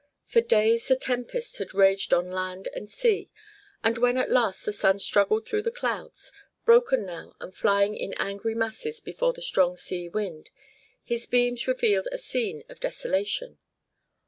For days the tempest had raged on land and sea, and when at last the sun struggled through the clouds, broken now and flying in angry masses before the strong sea wind, his beams revealed a scene of desolation.